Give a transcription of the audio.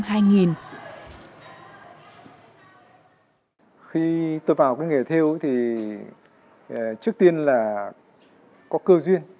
khi tôi vào cái nghề theo thì trước tiên là có cơ duyên